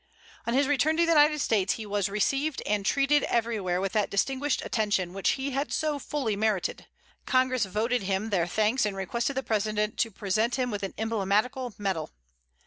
On his return to the United States, he was received and treated every where with that distinguished attention, which he had so fully merited. Congress voted him their thanks, and requested the President to present him with an emblematical medal.